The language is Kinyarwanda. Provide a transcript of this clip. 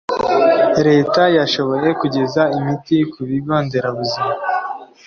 leta yashoboye kugeza imiti ku bigo nderabuzima